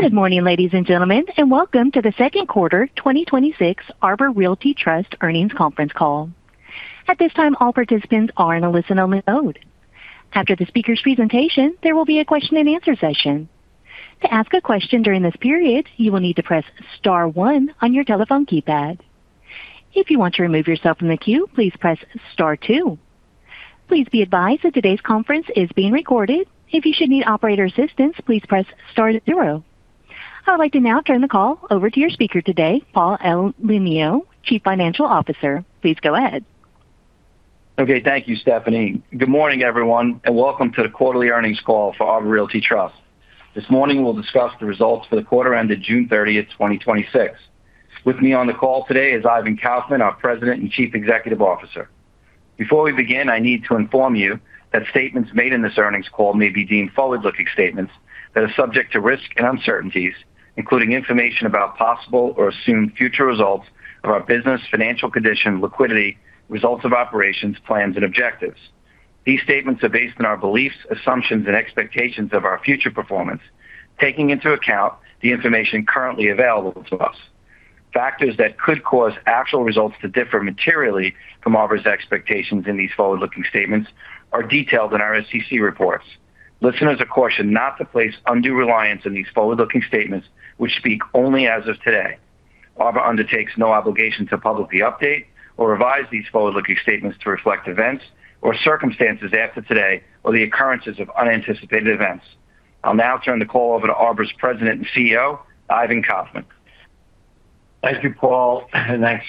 Good morning, ladies and gentlemen, and welcome to the second quarter 2026 Arbor Realty Trust Earnings Conference Call. At this time, all participants are in a listen-only mode. After the speaker's presentation, there will be a question and answer session. To ask a question during this period, you will need to press star one on your telephone keypad. If you want to remove yourself from the queue, please press star two. Please be advised that today's conference is being recorded. If you should need operator assistance, please press star zero. I would like to now turn the call over to your speaker today, Paul Elenio, Chief Financial Officer. Please go ahead. Thank you, Stephanie. Good morning, everyone, and welcome to the quarterly earnings call for Arbor Realty Trust. This morning we will discuss the results for the quarter ended June 30th, 2026. With me on the call today is Ivan Kaufman, our President and Chief Executive Officer. Before we begin, I need to inform you that statements made in this earnings call may be deemed forward-looking statements that are subject to risk and uncertainties, including information about possible or assumed future results of our business, financial condition, liquidity, results of operations, plans, and objectives. These statements are based on our beliefs, assumptions, and expectations of our future performance, taking into account the information currently available to us. Factors that could cause actual results to differ materially from Arbor's expectations in these forward-looking statements are detailed in our SEC reports. Listeners are cautioned not to place undue reliance on these forward-looking statements, which speak only as of today. Arbor undertakes no obligation to publicly update or revise these forward-looking statements to reflect events or circumstances after today or the occurrences of unanticipated events. I will now turn the call over to Arbor's President and CEO, Ivan Kaufman. Thank you, Paul, and thanks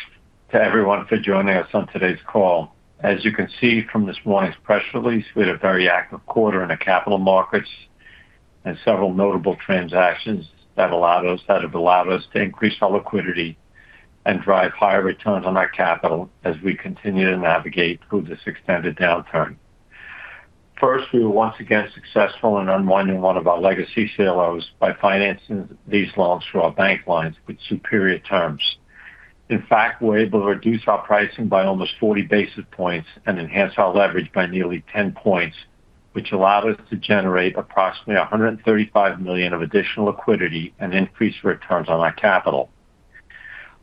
to everyone for joining us on today's call. As you can see from this morning's press release, we had a very active quarter in the capital markets and several notable transactions that have allowed us to increase our liquidity and drive higher returns on our capital as we continue to navigate through this extended downturn. First, we were once again successful in unwinding one of our legacy CLOs by financing these loans through our bank lines with superior terms. In fact, we were able to reduce our pricing by almost 40 basis points and enhance our leverage by nearly 10 points, which allowed us to generate approximately $135 million of additional liquidity and increase returns on our capital.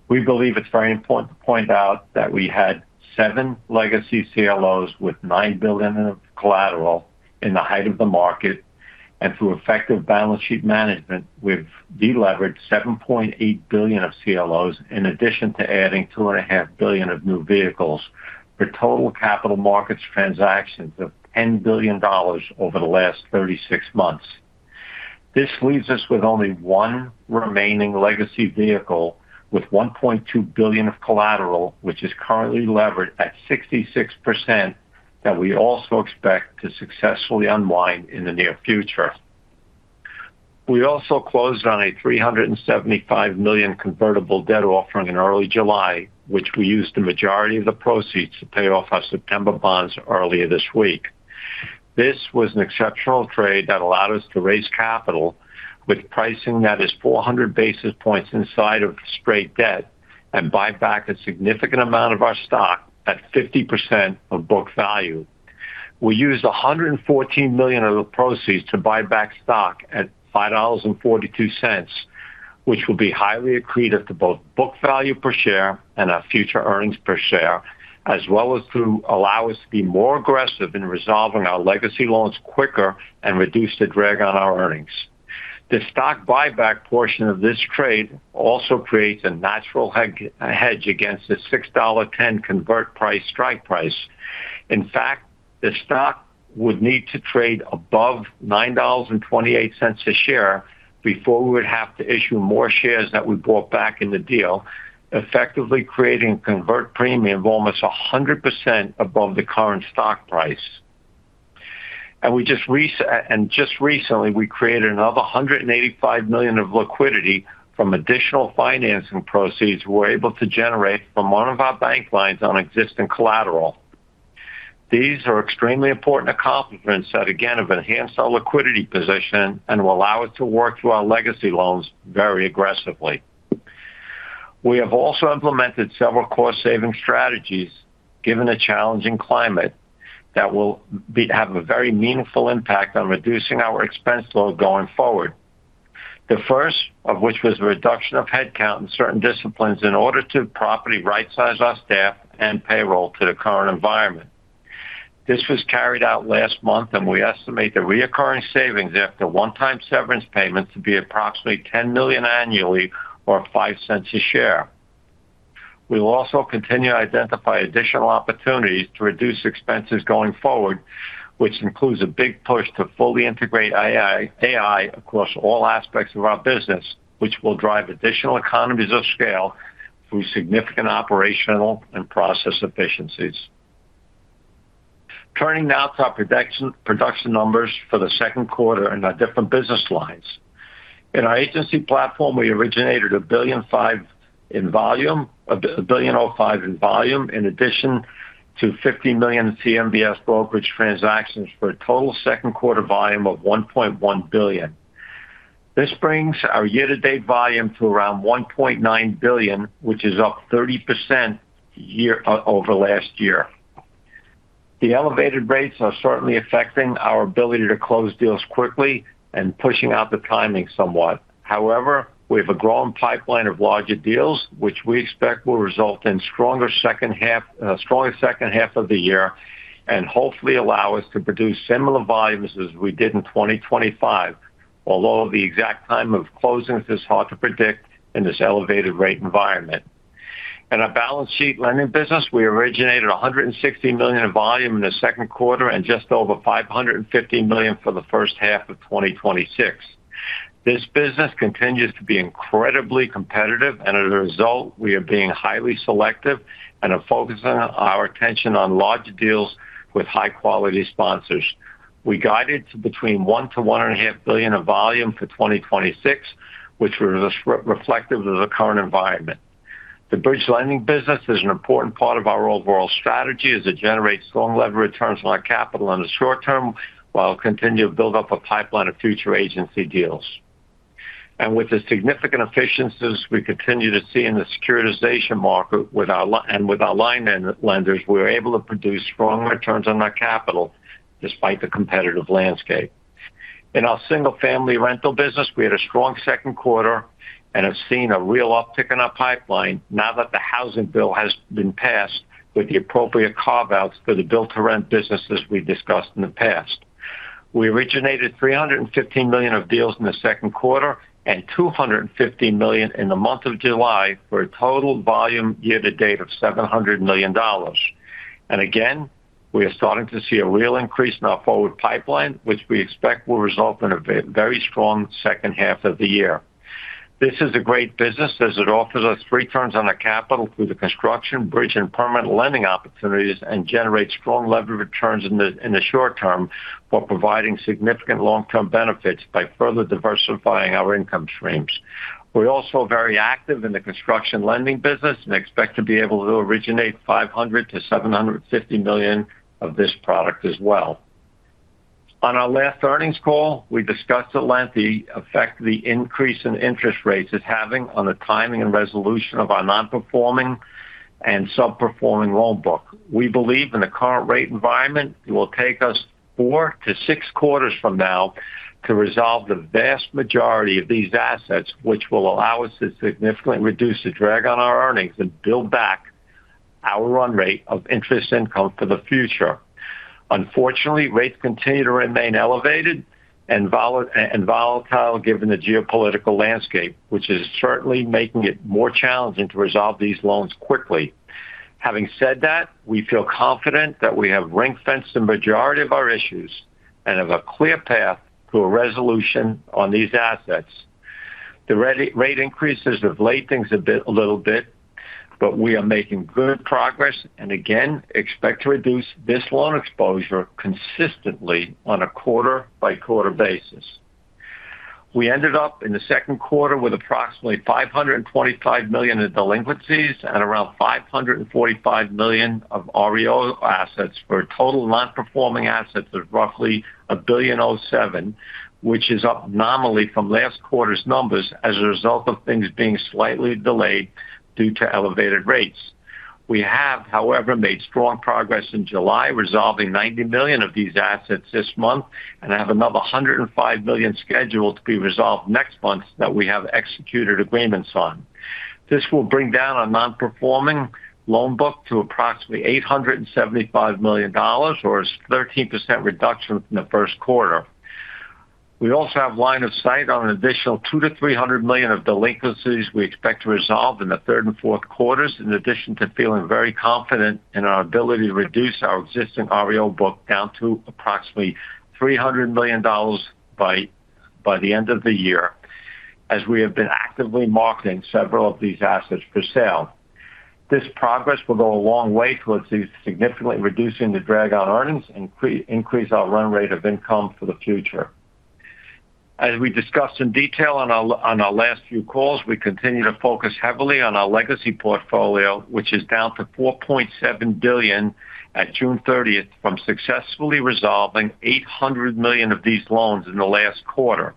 We believe it's very important to point out that we had seven legacy CLOs with $9 billion of collateral in the height of the market. Through effective balance sheet management, we've de-leveraged $7.8 billion of CLOs, in addition to adding $2.5 billion of new vehicles for total capital markets transactions of $10 billion over the last 36 months. This leaves us with only one remaining legacy vehicle with $1.2 billion of collateral, which is currently levered at 66%, that we also expect to successfully unwind in the near future. We also closed on a $375 million convertible debt offering in early July, which we used the majority of the proceeds to pay off our September bonds earlier this week. This was an exceptional trade that allowed us to raise capital with pricing that is 400 basis points inside of straight debt and buy back a significant amount of our stock at 50% of book value. We used $114 million of the proceeds to buy back stock at $5.42, which will be highly accretive to both book value per share and our future earnings per share, as well as to allow us to be more aggressive in resolving our legacy loans quicker and reduce the drag on our earnings. The stock buyback portion of this trade also creates a natural hedge against the $6.10 convert price strike price. In fact, the stock would need to trade above $9.28 a share before we would have to issue more shares that we bought back in the deal, effectively creating convert premium of almost 100% above the current stock price. Just recently, we created another $185 million of liquidity from additional financing proceeds we're able to generate from one of our bank lines on existing collateral. These are extremely important accomplishments that, again, have enhanced our liquidity position and will allow us to work through our legacy loans very aggressively. We have also implemented several cost-saving strategies given a challenging climate that will have a very meaningful impact on reducing our expense load going forward. The first of which was a reduction of headcount in certain disciplines in order to properly rightsize our staff and payroll to the current environment. This was carried out last month, and we estimate the recurring savings after a one-time severance payment to be approximately $10 million annually or $0.05 a share. We will also continue to identify additional opportunities to reduce expenses going forward, which includes a big push to fully integrate AI across all aspects of our business, which will drive additional economies of scale through significant operational and process efficiencies. Turning now to our production numbers for the second quarter in our different business lines. In our agency platform, we originated $1.05 billion in volume in addition to $50 million in CMBS brokerage transactions for a total second quarter volume of $1.1 billion. This brings our year-to-date volume to around $1.9 billion, which is up 30% over last year. The elevated rates are certainly affecting our ability to close deals quickly and pushing out the timing somewhat. We have a growing pipeline of larger deals, which we expect will result in a stronger second half of the year, and hopefully allow us to produce similar volumes as we did in 2025, although the exact time of closing is hard to predict in this elevated rate environment. In our balance sheet lending business, we originated $160 million in volume in the second quarter and just over $550 million for the first half of 2026. This business continues to be incredibly competitive, and as a result, we are being highly selective and are focusing our attention on larger deals with high-quality sponsors. We guided between $1 billion-$1.5 billion of volume for 2026, which was reflective of the current environment. The bridge lending business is an important part of our overall strategy as it generates strong levered returns on our capital in the short term, while continue to build up a pipeline of future agency deals. With the significant efficiencies we continue to see in the securitization market and with our line lenders, we're able to produce strong returns on our capital despite the competitive landscape. In our single-family rental business, we had a strong second quarter and have seen a real uptick in our pipeline now that the housing bill has been passed with the appropriate carve-outs for the build-to-rent businesses we discussed in the past. We originated $315 million of deals in the second quarter and $215 million in the month of July, for a total volume year to date of $700 million. Again, we are starting to see a real increase in our forward pipeline, which we expect will result in a very strong second half of the year. This is a great business as it offers us returns on our capital through the construction, bridge, and permanent lending opportunities and generates strong levered returns in the short term while providing significant long-term benefits by further diversifying our income streams. We're also very active in the construction lending business and expect to be able to originate $500 million-$750 million of this product as well. On our last earnings call, we discussed at length the effect the increase in interest rates is having on the timing and resolution of our non-performing and sub-performing loan book. We believe in the current rate environment, it will take us four to six quarters from now to resolve the vast majority of these assets, which will allow us to significantly reduce the drag on our earnings and build back our run rate of interest income for the future. Unfortunately, rates continue to remain elevated and volatile given the geopolitical landscape, which is certainly making it more challenging to resolve these loans quickly. Having said that, we feel confident that we have ring-fenced the majority of our issues and have a clear path to a resolution on these assets. The rate increases have delayed things a little bit, we are making good progress and again, expect to reduce this loan exposure consistently on a quarter-by-quarter basis. We ended up in the second quarter with approximately $525 million in delinquencies and around $545 million of REO assets for a total non-performing assets of roughly $1.07 billion, which is up nominally from last quarter's numbers as a result of things being slightly delayed due to elevated rates. We have, however, made strong progress in July, resolving $90 million of these assets this month and have another $105 million scheduled to be resolved next month that we have executed agreements on. This will bring down our non-performing loan book to approximately $875 million, or a 13% reduction from the first quarter. We also have line of sight on an additional $200 million-$300 million of delinquencies we expect to resolve in the third and fourth quarters, in addition to feeling very confident in our ability to reduce our existing REO book down to approximately $300 million by the end of the year as we have been actively marketing several of these assets for sale. This progress will go a long way towards significantly reducing the drag on earnings and increase our run rate of income for the future. As we discussed in detail on our last few calls, we continue to focus heavily on our legacy portfolio, which is down to $4.7 billion at June 30th from successfully resolving $800 million of these loans in the last quarter.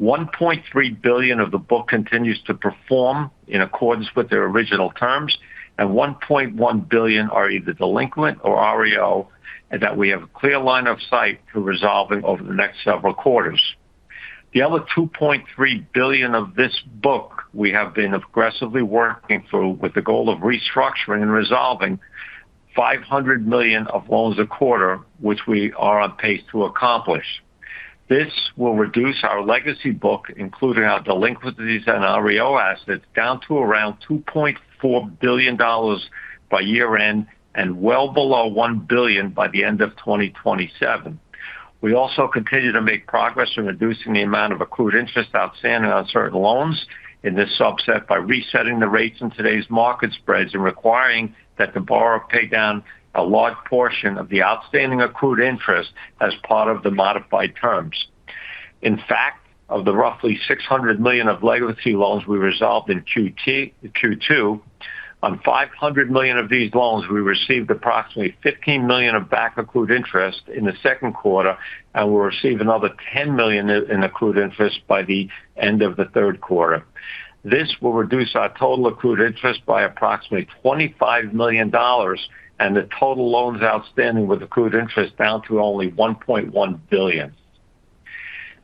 $1.3 billion of the book continues to perform in accordance with their original terms, and $1.1 billion are either delinquent or REO, and that we have a clear line of sight to resolving over the next several quarters. The other $2.3 billion of this book we have been aggressively working through with the goal of restructuring and resolving $500 million of loans a quarter, which we are on pace to accomplish. This will reduce our legacy book, including our delinquencies and REO assets, down to around $2.4 billion by year-end and well below $1 billion by the end of 2027. We also continue to make progress in reducing the amount of accrued interest outstanding on certain loans in this subset by resetting the rates in today's market spreads and requiring that the borrower pay down a large portion of the outstanding accrued interest as part of the modified terms. In fact, of the roughly $600 million of legacy loans we resolved in Q2, on $500 million of these loans, we received approximately $15 million of back accrued interest in the second quarter and will receive another $10 million in accrued interest by the end of the third quarter. This will reduce our total accrued interest by approximately $25 million, and the total loans outstanding with accrued interest down to only $1.1 billion.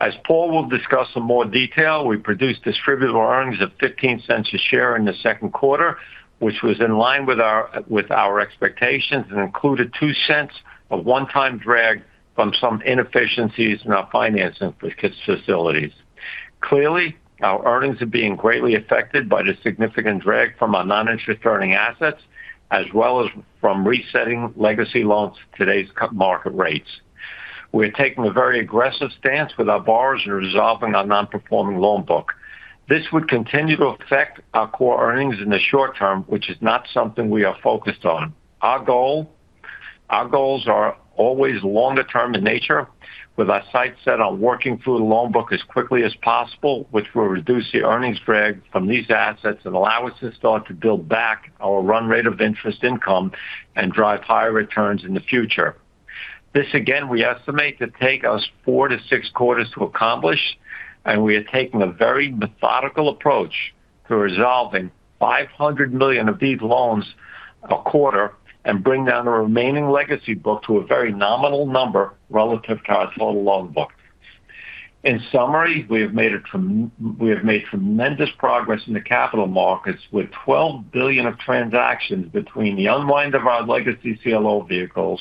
As Paul will discuss in more detail, we produced distributable earnings of $0.15 a share in the second quarter, which was in line with our expectations and included $0.02 of one-time drag from some inefficiencies in our financing facilities. Clearly, our earnings are being greatly affected by the significant drag from our non-interest-earning assets, as well as from resetting legacy loans to today's market rates. We're taking a very aggressive stance with our borrowers in resolving our non-performing loan book. This would continue to affect our core earnings in the short term, which is not something we are focused on. Our goals are always longer term in nature, with our sights set on working through the loan book as quickly as possible, which will reduce the earnings drag from these assets and allow us to start to build back our run rate of interest income and drive higher returns in the future. This again, we estimate to take us four to six quarters to accomplish. We are taking a very methodical approach to resolving $500 million of these loans a quarter and bring down the remaining legacy book to a very nominal number relative to our total loan book. In summary, we have made tremendous progress in the capital markets with $12 billion of transactions between the unwind of our legacy CLO vehicles,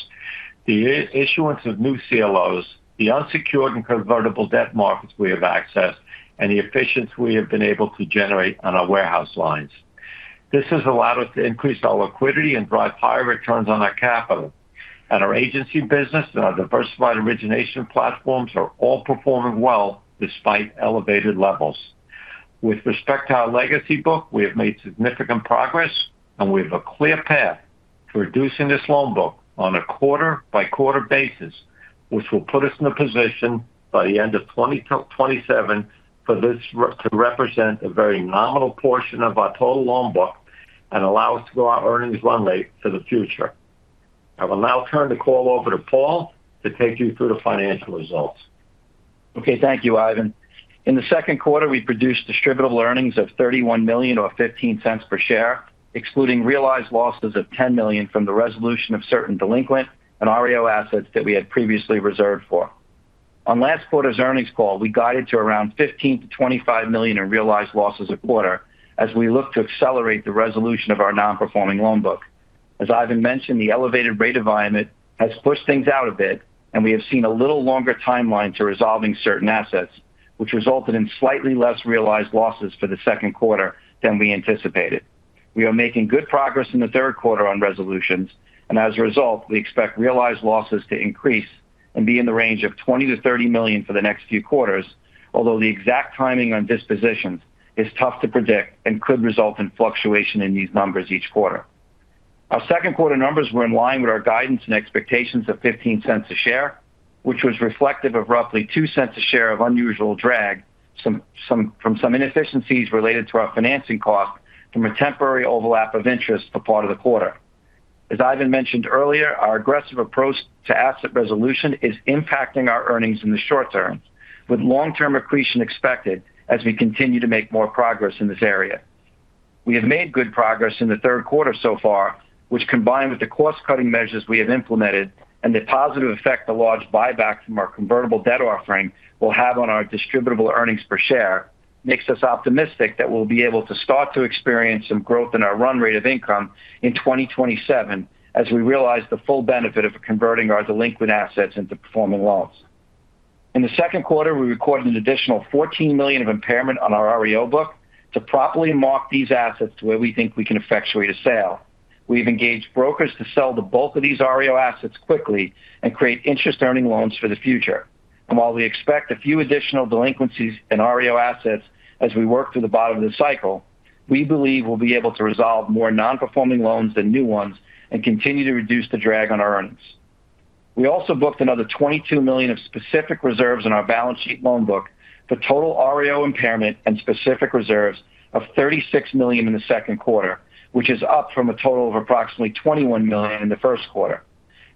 the issuance of new CLOs, the unsecured and convertible debt markets we have accessed, and the efficiency we have been able to generate on our warehouse lines. This has allowed us to increase our liquidity and drive higher returns on our capital. Our agency business and our diversified origination platforms are all performing well despite elevated levels. With respect to our legacy book, we have made significant progress and we have a clear path to reducing this loan book on a quarter-by-quarter basis, which will put us in a position by the end of 2027 for this to represent a very nominal portion of our total loan book and allow us to grow our earnings run rate for the future. I will now turn the call over to Paul to take you through the financial results. Okay. Thank you, Ivan. In the second quarter, we produced distributable earnings of $31 million or $0.15 per share, excluding realized losses of $10 million from the resolution of certain delinquent and REO assets that we had previously reserved for. On last quarter's earnings call, we guided to around $15 million to $25 million in realized losses a quarter as we look to accelerate the resolution of our non-performing loan book. As Ivan mentioned, the elevated rate environment has pushed things out a bit. We have seen a little longer timeline to resolving certain assets, which resulted in slightly less realized losses for the second quarter than we anticipated. We are making good progress in the third quarter on resolutions. As a result, we expect realized losses to increase and be in the range of $20 million to $30 million for the next few quarters, although the exact timing on dispositions is tough to predict and could result in fluctuation in these numbers each quarter. Our second quarter numbers were in line with our guidance and expectations of $0.15 a share, which was reflective of roughly $0.02 a share of unusual drag from some inefficiencies related to our financing cost from a temporary overlap of interest for part of the quarter. As Ivan mentioned earlier, our aggressive approach to asset resolution is impacting our earnings in the short term, with long-term accretion expected as we continue to make more progress in this area. We have made good progress in the third quarter so far, which combined with the cost-cutting measures we have implemented and the positive effect the large buyback from our convertible debt offering will have on our distributable earnings per share, makes us optimistic that we'll be able to start to experience some growth in our run rate of income in 2027 as we realize the full benefit of converting our delinquent assets into performing loans. In the second quarter, we recorded an additional $14 million of impairment on our REO book to properly mark these assets to where we think we can effectuate a sale. We've engaged brokers to sell the bulk of these REO assets quickly and create interest-earning loans for the future. While we expect a few additional delinquencies in REO assets as we work through the bottom of the cycle, we believe we'll be able to resolve more non-performing loans than new ones and continue to reduce the drag on our earnings. We also booked another $22 million of specific reserves in our balance sheet loan book for total REO impairment and specific reserves of $36 million in the second quarter, which is up from a total of approximately $21 million in the first quarter.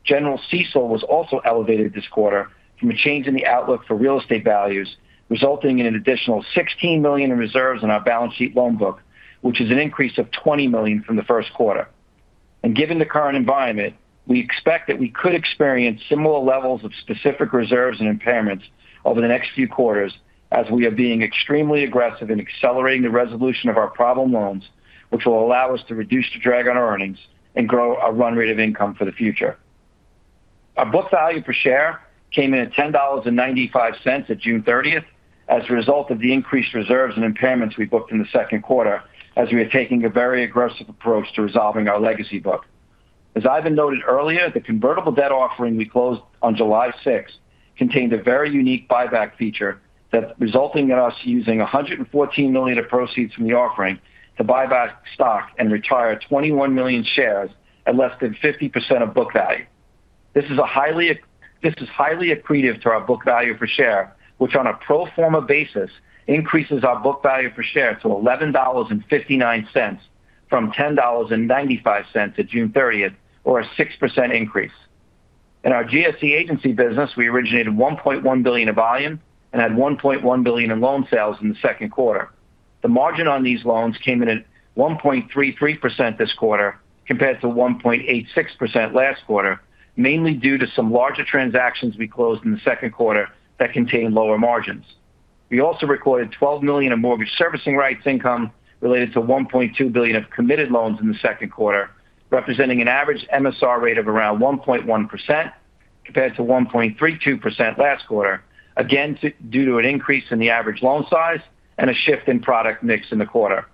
General CECL was also elevated this quarter from a change in the outlook for real estate values, resulting in an additional $16 million in reserves in our balance sheet loan book, which is an increase of $20 million from the first quarter. Given the current environment, we expect that we could experience similar levels of specific reserves and impairments over the next few quarters as we are being extremely aggressive in accelerating the resolution of our problem loans, which will allow us to reduce the drag on our earnings and grow our run rate of income for the future. Our book value per share came in at $10.95 at June 30th as a result of the increased reserves and impairments we booked in the second quarter as we are taking a very aggressive approach to resolving our legacy book. As Ivan noted earlier, the convertible debt offering we closed on July 6 contained a very unique buyback feature that's resulting in us using $114 million of proceeds from the offering to buy back stock and retire 21 million shares at less than 50% of book value. This is highly accretive to our book value per share, which on a pro forma basis increases our book value per share to $11.59 from $10.95 at June 30th, or a 6% increase. In our GSE agency business, we originated $1.1 billion of volume and had $1.1 billion in loan sales in the second quarter. The margin on these loans came in at 1.33% this quarter, compared to 1.86% last quarter, mainly due to some larger transactions we closed in the second quarter that contained lower margins. We also recorded $12 million of mortgage servicing rights income related to $1.2 billion of committed loans in the second quarter, representing an average MSR rate of around 1.1%, compared to 1.32% last quarter, again, due to an increase in the average loan size and a shift in product mix in the quarter.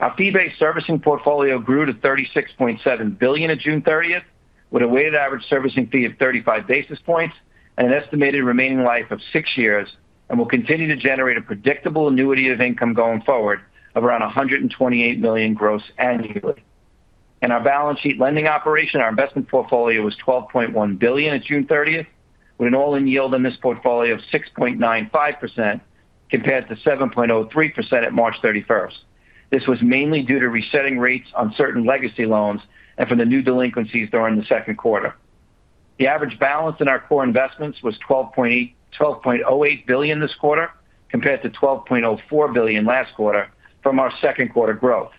Our fee-based servicing portfolio grew to $36.7 billion at June 30th, with a weighted average servicing fee of 35 basis points and an estimated remaining life of six years, and will continue to generate a predictable annuity of income going forward of around $128 million gross annually. In our balance sheet lending operation, our investment portfolio was $12.1 billion at June 30th, with an all-in yield on this portfolio of 6.95%, compared to 7.03% at March 31st. This was mainly due to resetting rates on certain legacy loans and from the new delinquencies during the second quarter. The average balance in our core investments was $12.08 billion this quarter, compared to $12.04 billion last quarter from our second quarter growth.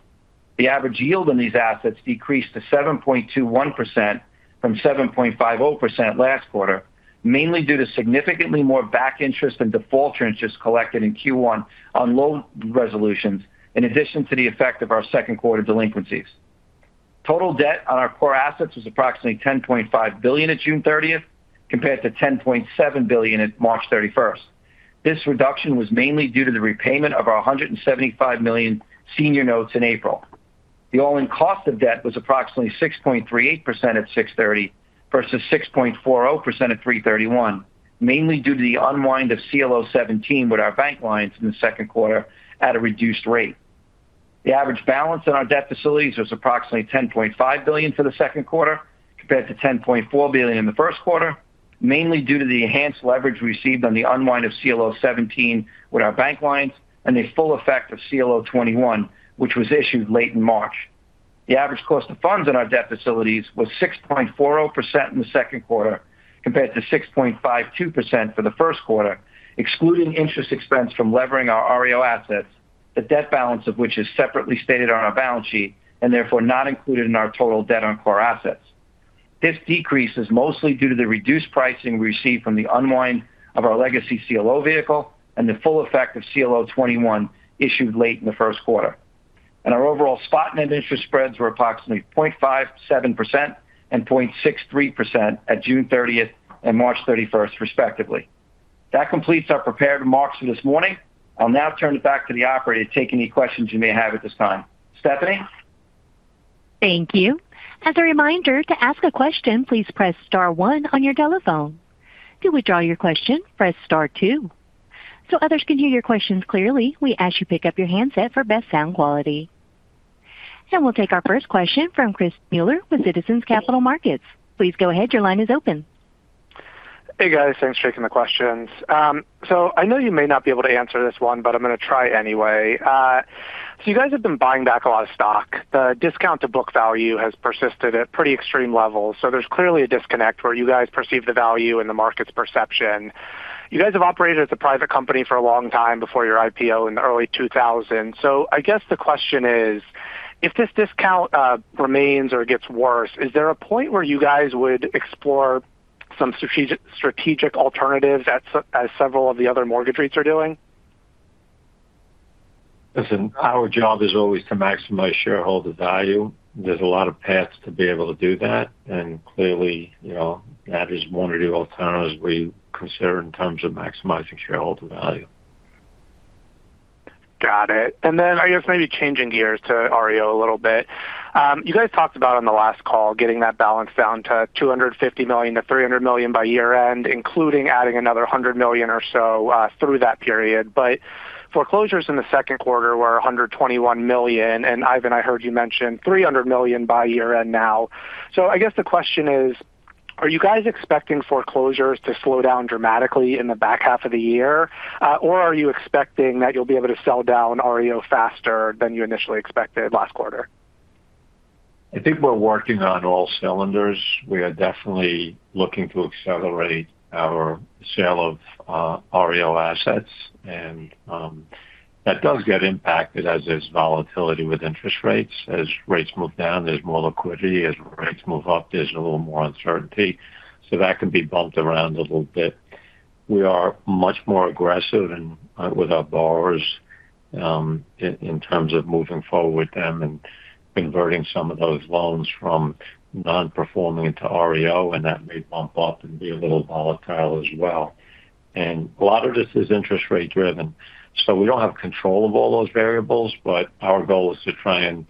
The average yield on these assets decreased to 7.21% from 7.50% last quarter, mainly due to significantly more back interest and default trends just collected in Q1 on loan resolutions, in addition to the effect of our second quarter delinquencies. Total debt on our core assets was approximately $10.5 billion at June 30th, compared to $10.7 billion at March 31st. This reduction was mainly due to the repayment of our $175 million senior notes in April. The all-in cost of debt was approximately 6.38% at 6/30 versus 6.40% at 3/31, mainly due to the unwind of CLO 17 with our bank lines in the second quarter at a reduced rate. The average balance on our debt facilities was approximately $10.5 billion for the second quarter compared to $10.4 billion in the first quarter, mainly due to the enhanced leverage received on the unwind of CLO 17 with our bank lines and the full effect of CLO 21, which was issued late in March. The average cost of funds on our debt facilities was 6.40% in the second quarter compared to 6.52% for the first quarter, excluding interest expense from levering our REO assets, the debt balance of which is separately stated on our balance sheet and therefore not included in our total debt on core assets. This decrease is mostly due to the reduced pricing received from the unwind of our legacy CLO vehicle and the full effect of CLO 21 issued late in the first quarter. Our overall spot net interest spreads were approximately 0.57% and 0.63% at June 30th and March 31st respectively. That completes our prepared remarks for this morning. I'll now turn it back to the operator to take any questions you may have at this time. Stephanie? Thank you. As a reminder, to ask a question, please press star one on your telephone. To withdraw your question, press star two. Others can hear your questions clearly, we ask you to pick up your handset for best sound quality. We'll take our first question from Chris Muller with Citizens Capital Markets. Please go ahead. Your line is open. Hey, guys. Thanks for taking the questions. I know you may not be able to answer this one, but I'm going to try anyway. You guys have been buying back a lot of stock. The discount to book value has persisted at pretty extreme levels. There's clearly a disconnect where you guys perceive the value and the market's perception. You guys have operated as a private company for a long time before your IPO in the early 2000s. I guess the question is, if this discount remains or gets worse, is there a point where you guys would explore some strategic alternatives as several of the other mortgage REITs are doing? Listen, our job is always to maximize shareholder value. There's a lot of paths to be able to do that, and clearly, that is one of the alternatives we consider in terms of maximizing shareholder value. Got it. I guess maybe changing gears to REO a little bit. You guys talked about on the last call getting that balance down to $250 million to $300 million by year-end, including adding another $100 million or so through that period. Foreclosures in the second quarter were $121 million, and Ivan, I heard you mention $300 million by year-end now. I guess the question is, are you guys expecting foreclosures to slow down dramatically in the back half of the year? Or are you expecting that you'll be able to sell down REO faster than you initially expected last quarter? I think we're working on all cylinders. We are definitely looking to accelerate our sale of REO assets. That does get impacted as there's volatility with interest rates. As rates move down, there's more liquidity. As rates move up, there's a little more uncertainty. That can be bumped around a little bit. We are much more aggressive with our borrowers in terms of moving forward with them and converting some of those loans from non-performing to REO, and that may bump up and be a little volatile as well. A lot of this is interest rate driven. We don't have control of all those variables, but our goal is to try and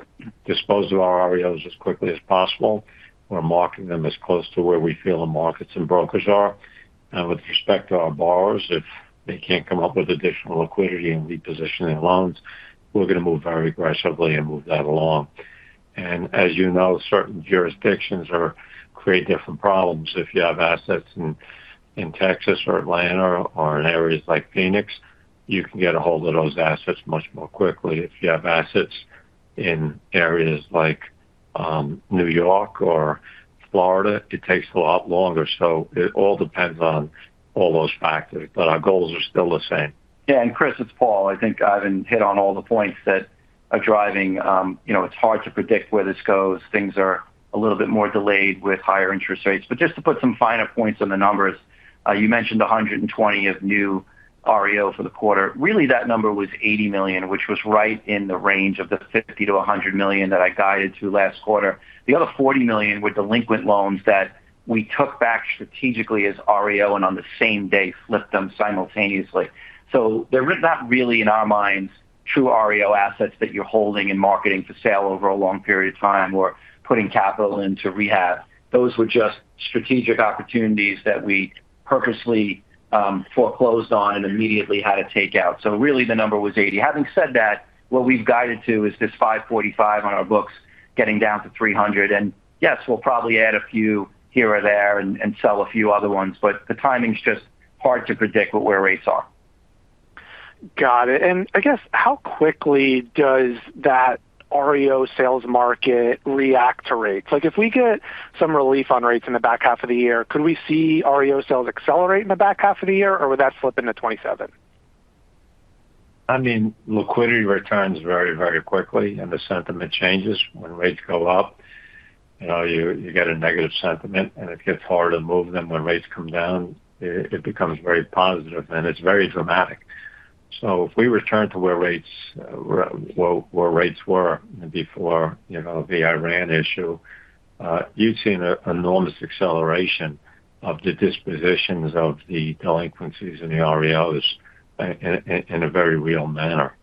dispose of our REOs as quickly as possible. We're marking them as close to where we feel the markets and brokers are. With respect to our borrowers, if they can't come up with additional liquidity and reposition their loans, we're going to move very aggressively and move that along. As you know, certain jurisdictions create different problems. If you have assets in Texas or Atlanta or in areas like Phoenix, you can get a hold of those assets much more quickly. If you have assets in areas like New York or Florida, it takes a lot longer. It all depends on all those factors, but our goals are still the same. Yeah. Chris, it's Paul. I think Ivan hit on all the points that are driving. It's hard to predict where this goes. Things are a little bit more delayed with higher interest rates. Just to put some finer points on the numbers, you mentioned $120 million of new REO for the quarter. Really, that number was $80 million, which was right in the range of the $50 million-$100 million that I guided to last quarter. The other $40 million were delinquent loans that we took back strategically as REO and on the same day, flipped them simultaneously. They're not really, in our minds, true REO assets that you're holding and marketing for sale over a long period of time or putting capital into rehab. Those were just strategic opportunities that we purposely foreclosed on and immediately had a takeout. Really, the number was $80 million. Having said that, what we've guided to is this $545 million on our books getting down to $300 million. Yes, we'll probably add a few here or there and sell a few other ones, the timing's just hard to predict with where rates are. Got it. I guess, how quickly does that REO sales market react to rates? If we get some relief on rates in the back half of the year, could we see REO sales accelerate in the back half of the year, or would that flip into 2027? Liquidity returns very quickly, and the sentiment changes when rates go up. You get a negative sentiment, and it gets harder to move them. When rates come down, it becomes very positive, and it's very dramatic. If we return to where rates were before the Iran issue, you'd see an enormous acceleration of the dispositions of the delinquencies and the REOs in a very real manner.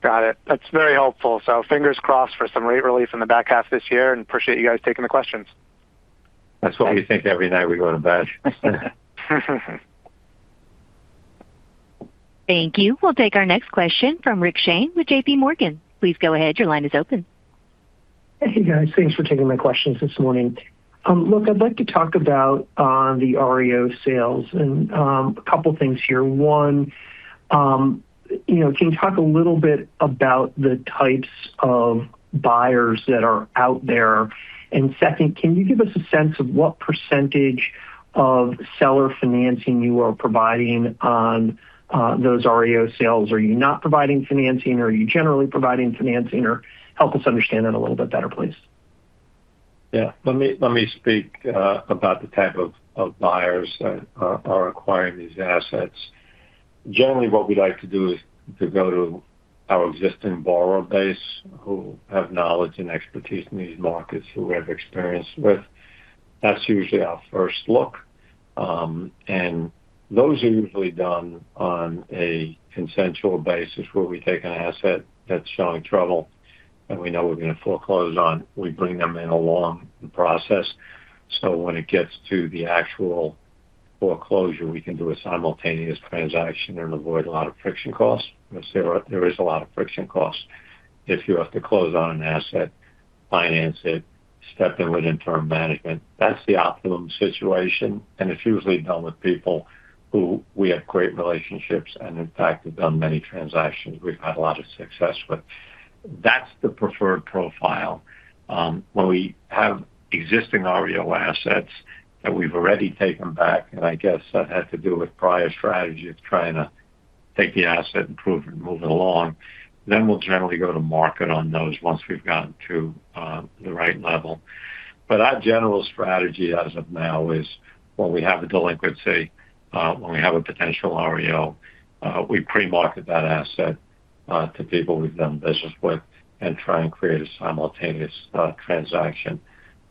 Got it. That's very helpful. Fingers crossed for some rate relief in the back half of this year, and appreciate you guys taking the questions. That's what we think every night we go to bed. Thank you. We'll take our next question from Rick Shane with JPMorgan. Please go ahead. Your line is open. Hey, guys. Thanks for taking my questions this morning. Look, I'd like to talk about the REO sales and a couple of things here. One, can you talk a little bit about the types of buyers that are out there? Second, can you give us a sense of what % of seller financing you are providing on those REO sales? Are you not providing financing, or are you generally providing financing? Help us understand that a little bit better, please. Yeah. Let me speak about the type of buyers that are acquiring these assets. Generally, what we like to do is to go to our existing borrower base who have knowledge and expertise in these markets, who we have experience with. That's usually our first look. Those are usually done on a consensual basis where we take an asset that's showing trouble, and we know we're going to foreclose on. We bring them in along the process, so when it gets to the actual foreclosure, we can do a simultaneous transaction and avoid a lot of friction costs. There is a lot of friction costs if you have to close on an asset, finance it, step in with interim management. That's the optimum situation. It's usually done with people who we have great relationships and, in fact, have done many transactions we've had a lot of success with. That's the preferred profile. When we have existing REO assets that we've already taken back, I guess that had to do with prior strategy of trying to take the asset and move it along. We'll generally go to market on those once we've gotten to the right level. Our general strategy as of now is when we have a delinquency, when we have a potential REO, we pre-market that asset to people we've done business with and try and create a simultaneous transaction.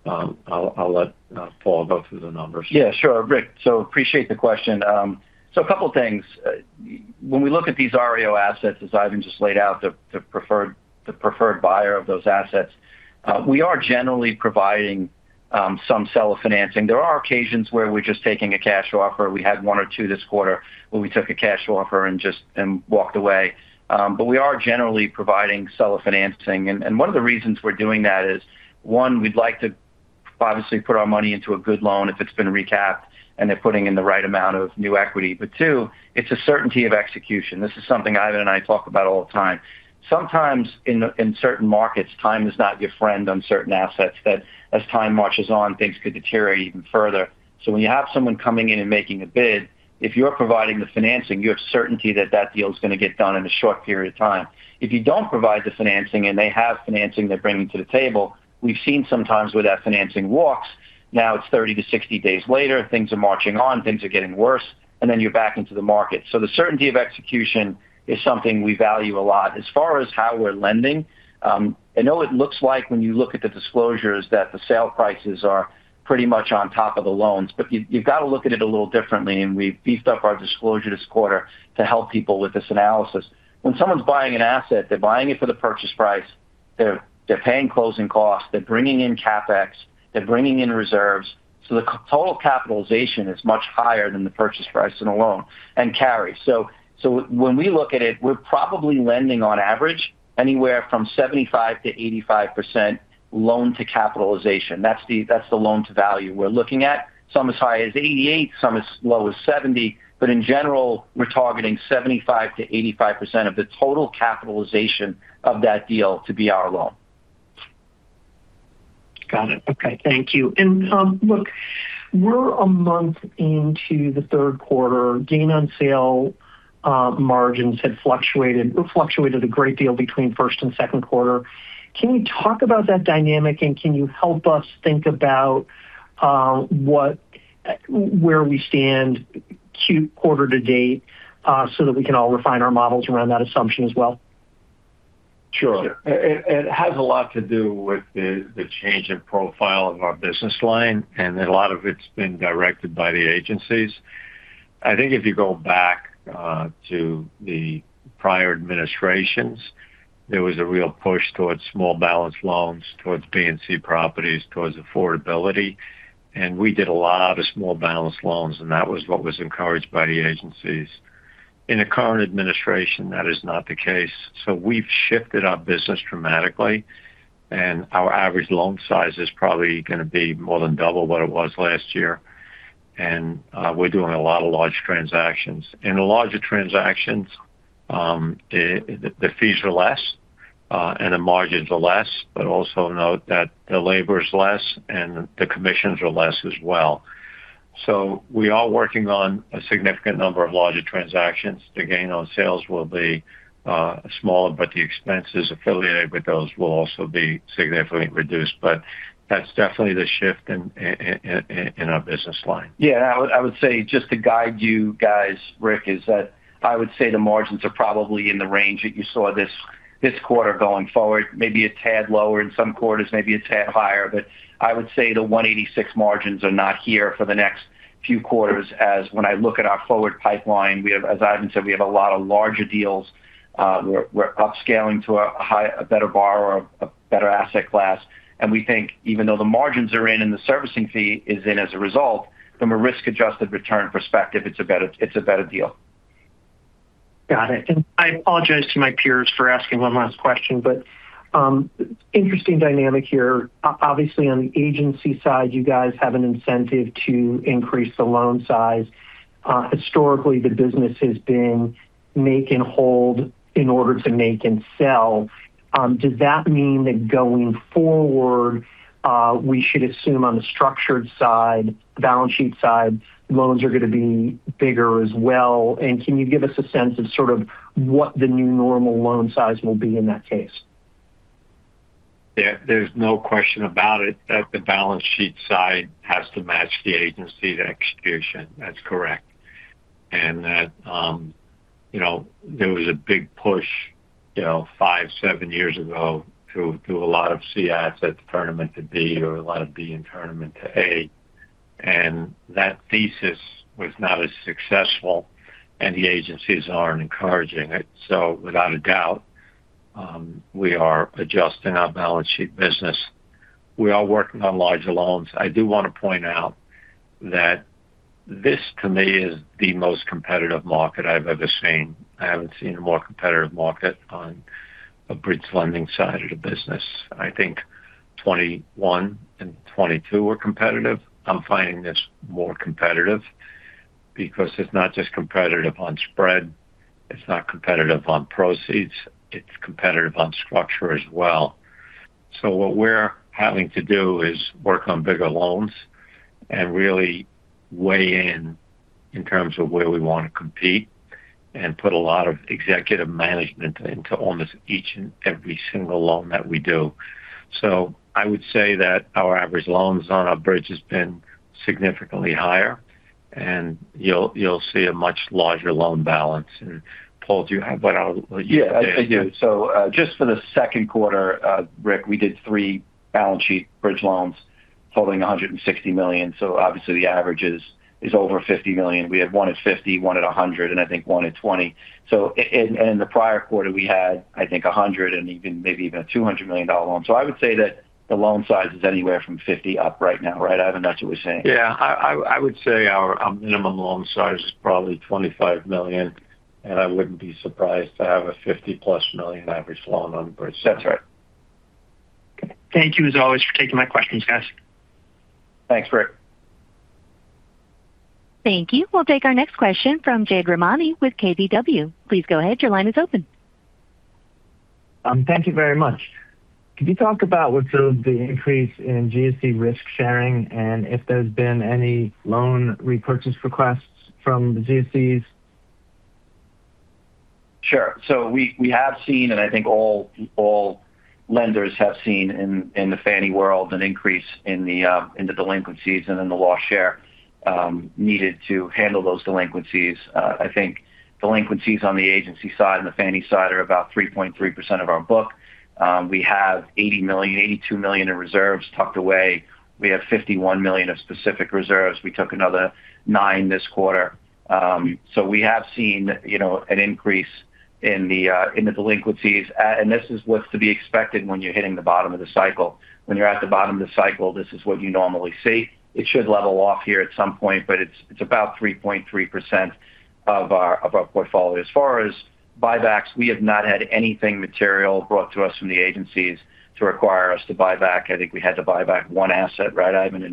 I'll let Paul go through the numbers. Yeah, sure, Rick. Appreciate the question. A couple of things. When we look at these REO assets, as Ivan just laid out, the preferred buyer of those assets, we are generally providing some seller financing. There are occasions where we're just taking a cash offer. We had one or two this quarter where we took a cash offer and walked away. We are generally providing seller financing, and one of the reasons we're doing that is, one, we'd like to obviously put our money into a good loan if it's been recapped and they're putting in the right amount of new equity. Two, it's a certainty of execution. This is something Ivan and I talk about all the time. Sometimes in certain markets, time is not your friend on certain assets that as time marches on, things could deteriorate even further. When you have someone coming in and making a bid, if you're providing the financing, you have certainty that deal is going to get done in a short period of time. If you don't provide the financing and they have financing they're bringing to the table, we've seen sometimes where that financing walks. Now it's 30-60 days later, things are marching on, things are getting worse. You're back into the market. The certainty of execution is something we value a lot. As far as how we're lending, I know it looks like when you look at the disclosures that the sale prices are pretty much on top of the loans, you've got to look at it a little differently. We beefed up our disclosure this quarter to help people with this analysis. When someone's buying an asset, they're buying it for the purchase price, they're paying closing costs, they're bringing in CapEx, they're bringing in reserves. The total capitalization is much higher than the purchase price in a loan and carry. When we look at it, we're probably lending on average anywhere from 75%-85% loan to capitalization. That's the loan to value we're looking at. Some as high as 88, some as low as 70. In general, we're targeting 75%-85% of the total capitalization of that deal to be our loan. Got it. Okay. Thank you. Look, we're a month into the third quarter. Gain on sale margins had fluctuated a great deal between first and second quarter. Can we talk about that dynamic, and can you help us think about where we stand quarter to date so that we can all refine our models around that assumption as well? Sure. It has a lot to do with the change in profile of our business line, and a lot of it's been directed by the agencies. I think if you go back to the prior administrations, there was a real push towards small balance loans, towards B&C properties, towards affordability. We did a lot of small balance loans, and that was what was encouraged by the agencies. In the current administration, that is not the case. We've shifted our business dramatically, and our average loan size is probably going to be more than double what it was last year. We're doing a lot of large transactions. In the larger transactions, the fees are less, and the margins are less, but also note that the labor is less and the commissions are less as well. We are working on a significant number of larger transactions. The gain on sales will be smaller, but the expenses affiliated with those will also be significantly reduced. That's definitely the shift in our business line. Yeah, I would say just to guide you guys, Rick, is that I would say the margins are probably in the range that you saw this quarter going forward. Maybe a tad lower in some quarters, maybe a tad higher. I would say the 186 margins are not here for the next few quarters as when I look at our forward pipeline, as Ivan said, we have a lot of larger deals. We're upscaling to a better borrower, a better asset class. We think even though the margins are in and the servicing fee is in as a result, from a risk-adjusted return perspective, it's a better deal. Got it. I apologize to my peers for asking one last question, but interesting dynamic here. Obviously, on the agency side, you guys have an incentive to increase the loan size. Historically, the business has been make and hold in order to make and sell. Does that mean that going forward, we should assume on the structured side, the balance sheet side, loans are going to be bigger as well? Can you give us a sense of sort of what the new normal loan size will be in that case? There's no question about it that the balance sheet side has to match the agency, the execution. That's correct. That there was a big push five, seven years ago to do a lot of C assets turn them into B or a lot of B and turn them into A. That thesis was not as successful, and the agencies aren't encouraging it. Without a doubt, we are adjusting our balance sheet business. We are working on larger loans. I do want to point out that this, to me, is the most competitive market I've ever seen. I haven't seen a more competitive market on a bridge lending side of the business. I think 2021 and 2022 were competitive. I'm finding this more competitive because it's not just competitive on spread, it's not competitive on proceeds, it's competitive on structure as well. What we're having to do is work on bigger loans and really weigh in in terms of where we want to compete and put a lot of executive management into almost each and every single loan that we do. I would say that our average loans on our bridge has been significantly higher, and you'll see a much larger loan balance. Paul, do you have what our- Yeah, I do. Just for the second quarter, Rick, we did three balance sheet bridge loans totaling $160 million. Obviously, the average is over $50 million. We had one at $50, one at $100, and I think one at $20. In the prior quarter, we had, I think, $100 and even maybe even a $200 million loan. I would say that the loan size is anywhere from $50 up right now, right, Ivan, that's what we're saying? Yeah, I would say our minimum loan size is probably $25 million, and I wouldn't be surprised to have a $50+ million average loan on bridge. That's right. Okay. Thank you as always for taking my questions, guys. Thanks, Rick. Thank you. We'll take our next question from Jade Rahmani with KBW. Please go ahead. Your line is open. Thank you very much. Could you talk about what the increase in GSE risk sharing and if there's been any loan repurchase requests from the GSEs? Sure. We have seen, and I think all lenders have seen in the Fannie world, an increase in the delinquencies and in the loss share needed to handle those delinquencies. I think delinquencies on the agency side and the Fannie side are about 3.3% of our book. We have $82 million in reserves tucked away. We have $51 million of specific reserves. We took another nine this quarter. We have seen an increase in the delinquencies. This is what's to be expected when you're hitting the bottom of the cycle. When you're at the bottom of the cycle, this is what you normally see. It should level off here at some point, but it's about 3.3% of our portfolio. As far as buybacks, we have not had anything material brought to us from the agencies to require us to buy back. I think we had to buy back one asset, right, Ivan?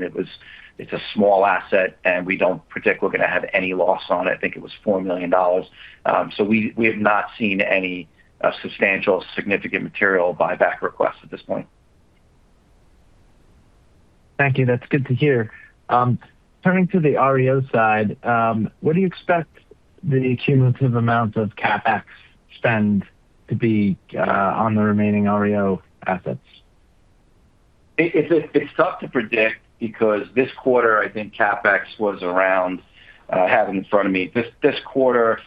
It's a small asset, and we don't predict we're going to have any loss on it. I think it was $4 million. We have not seen any substantial significant material buyback requests at this point. Thank you. That's good to hear. Turning to the REO side, what do you expect the cumulative amount of CapEx spend to be on the remaining REO assets? It's tough to predict because this quarter, I think CapEx was around I have it in front of me. This quarter,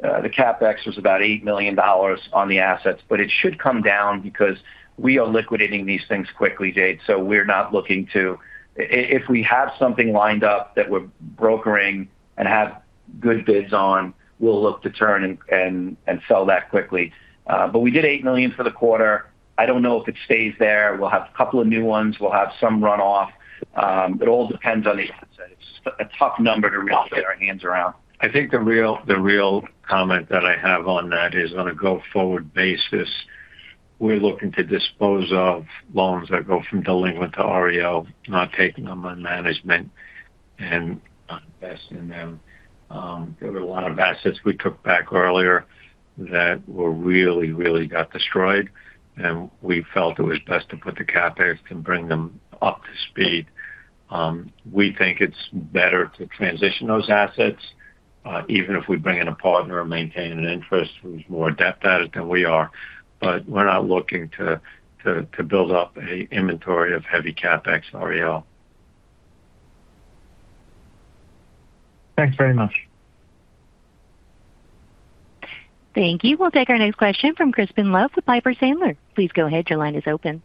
the CapEx was about $8 million on the assets. It should come down because we are liquidating these things quickly, Jade. We're not looking. If we have something lined up that we're brokering and have good bids on, we'll look to turn and sell that quickly. We did $8 million for the quarter. I don't know if it stays there. We'll have a couple of new ones. We'll have some runoff. It all depends on the assets. It's a tough number to really get our hands around. I think the real comment that I have on that is on a go-forward basis, we're looking to dispose of loans that go from delinquent to REO, not taking them on management and not investing in them. There were a lot of assets we took back earlier that really got destroyed, we felt it was best to put the CapEx to bring them up to speed. We think it's better to transition those assets, even if we bring in a partner or maintain an interest who's more adept at it than we are. We're not looking to build up an inventory of heavy CapEx REO. Thanks very much. Thank you. We'll take our next question from Crispin Love with Piper Sandler. Please go ahead. Your line is open.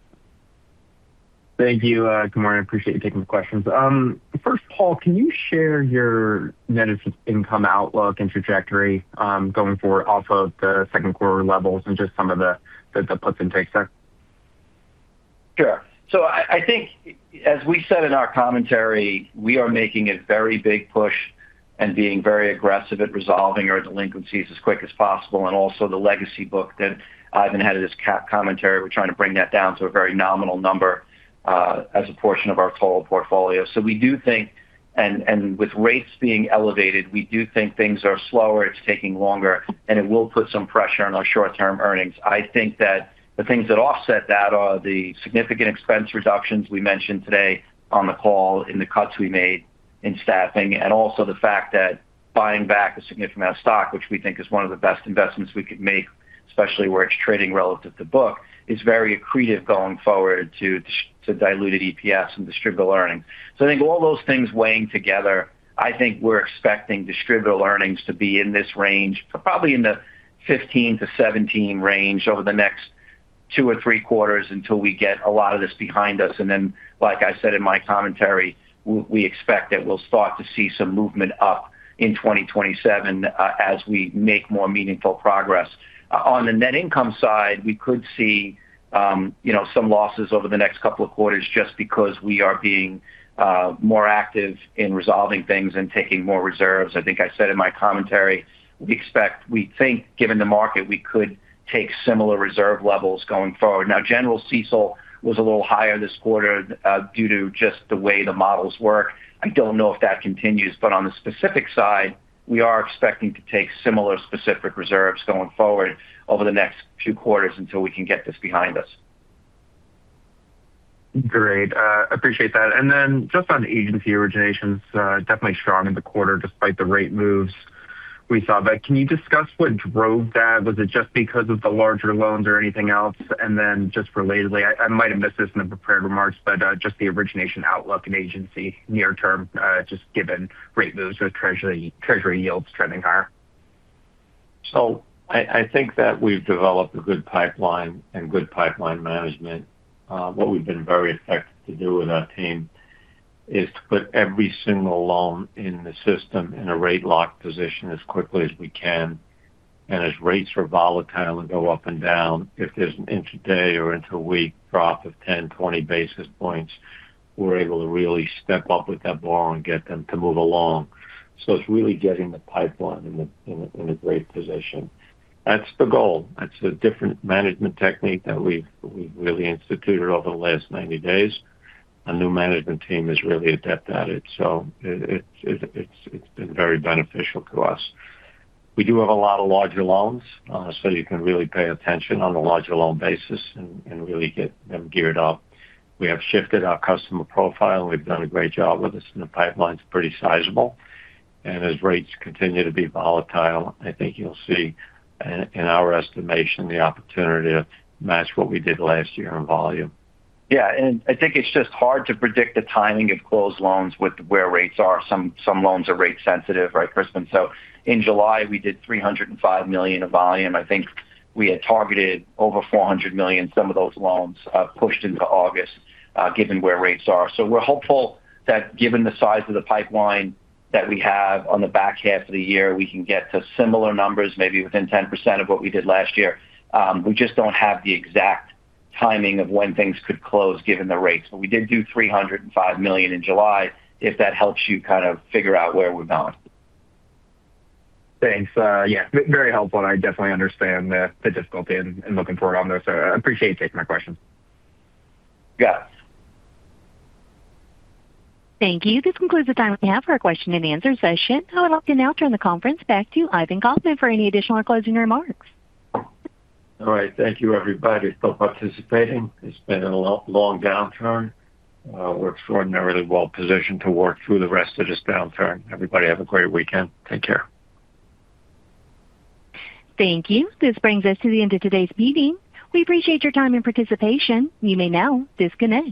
Thank you. Good morning. I appreciate you taking the questions. First, Paul, can you share your net income outlook and trajectory going forward off of the second quarter levels and just some of the puts and takes there? Sure. I think as we said in our commentary, we are making a very big push and being very aggressive at resolving our delinquencies as quick as possible and also the legacy book that Ivan had in his commentary. We're trying to bring that down to a very nominal number as a portion of our total portfolio. We do think, and with rates being elevated, we do think things are slower, it's taking longer, and it will put some pressure on our short-term earnings. I think that the things that offset that are the significant expense reductions we mentioned today on the call and the cuts we made in staffing and also the fact that buying back a significant amount of stock, which we think is one of the best investments we could make, especially where it's trading relative to book, is very accretive going forward to diluted EPS and distributable earnings. I think all those things weighing together, I think we're expecting distributable earnings to be in this range, probably in the 15-17 range over the next two or three quarters until we get a lot of this behind us. Like I said in my commentary, we expect that we'll start to see some movement up in 2027 as we make more meaningful progress. On the net income side, we could see some losses over the next couple of quarters just because we are being more active in resolving things and taking more reserves. I think I said in my commentary, we think given the market, we could take similar reserve levels going forward. General CECL was a little higher this quarter due to just the way the models work. I don't know if that continues, but on the specific side, we are expecting to take similar specific reserves going forward over the next few quarters until we can get this behind us. Great. I appreciate that. Just on agency originations, definitely strong in the quarter despite the rate moves we saw. Can you discuss what drove that? Was it just because of the larger loans or anything else? Just relatedly, I might have missed this in the prepared remarks, but just the origination outlook and agency near term just given rate moves with treasury yields trending higher. I think that we've developed a good pipeline and good pipeline management. What we've been very effective to do with our team is to put every single loan in the system in a rate lock position as quickly as we can. As rates are volatile and go up and down, if there's an intraday or inter week drop of 10, 20 basis points, we're able to really step up with that borrower and get them to move along. It's really getting the pipeline in a great position. That's the goal. That's a different management technique that we've really instituted over the last 90 days. A new management team is really adept at it. It's been very beneficial to us. We do have a lot of larger loans so you can really pay attention on a larger loan basis and really get them geared up. We have shifted our customer profile. We've done a great job with this, the pipeline's pretty sizable. As rates continue to be volatile, I think you'll see in our estimation the opportunity to match what we did last year in volume. I think it's just hard to predict the timing of closed loans with where rates are. Some loans are rate sensitive, right, Crispin? In July, we did $305 million of volume. I think we had targeted over $400 million. Some of those loans pushed into August given where rates are. We're hopeful that given the size of the pipeline that we have on the back half of the year, we can get to similar numbers, maybe within 10% of what we did last year. We just don't have the exact timing of when things could close given the rates. We did do $305 million in July if that helps you kind of figure out where we're going. Thanks. Very helpful, I definitely understand the difficulty in looking forward on this. I appreciate you taking my questions. Yes. Thank you. This concludes the time we have for our question and answer session. I would like to now turn the conference back to Ivan Kaufman for any additional or closing remarks. All right. Thank you, everybody, for participating. It's been a long downturn. We're extraordinarily well positioned to work through the rest of this downturn. Everybody have a great weekend. Take care. Thank you. This brings us to the end of today's meeting. We appreciate your time and participation. You may now disconnect.